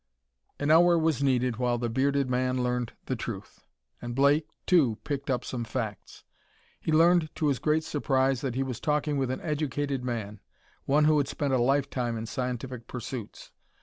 An hour was needed while the bearded man learned the truth. And Blake, too, picked up some facts. He learned to his great surprise that he was talking with an educated man, one who had spent a lifetime in scientific pursuits.